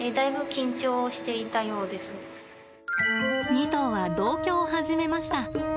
２頭は同居を始めました。